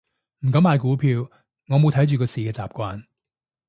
唔敢買股票，我冇睇住個市嘅習慣